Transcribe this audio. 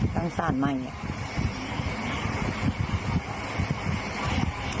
ตั้งสารไหมแม่